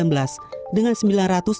indonesia mencatat lima puluh enam lebih kasus